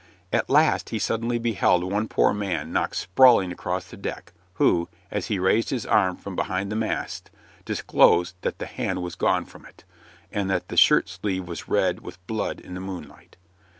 At last he suddenly beheld one poor man knocked sprawling across the deck, who, as he raised his arm from behind the mast, disclosed that the hand was gone from it, and that the shirt sleeve was red with blood in the moonlight.